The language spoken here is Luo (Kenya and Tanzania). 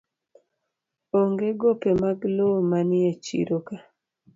Onge gope mag lowo manie chiro ka